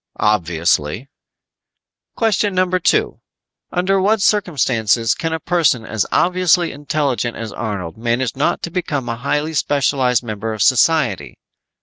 "Obviously." "Question number two: Under what circumstances can a person as obviously intelligent as Arnold manage not to become a highly specialized member of society?